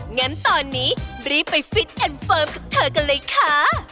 งั้นตอนนี้รีบไปฟิตแอนดเฟิร์มกับเธอกันเลยค่ะ